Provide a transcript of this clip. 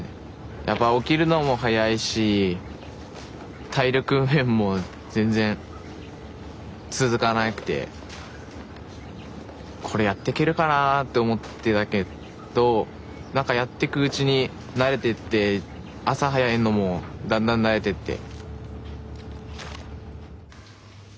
やっぱ起きるのも早いし体力面も全然続かなくてこれやってけるかなって思ってたけど何かやってくうちに慣れてって朝早いのもだんだん慣れてって。